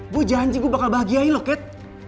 gue janji gue bakal bahagiain lo kat